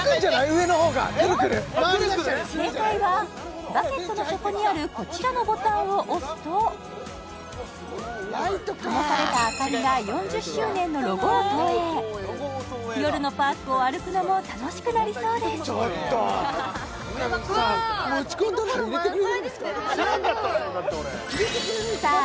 上のほうがくるくる正解はバケットの底にあるこちらのボタンを押すとともされた明かりが４０周年のロゴを投影夜のパークを歩くのも楽しくなりそうですさあ